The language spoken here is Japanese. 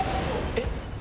えっ？